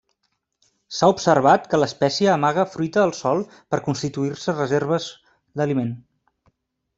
S'ha observat que l'espècie amaga fruita al sòl per constituir-se reserves d'aliment.